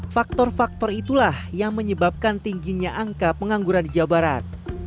faktor faktor itulah yang menyebabkan tingginya angka pengangguran di jawa barat